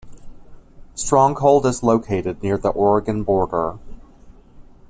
Stronghold is located near the Oregon border.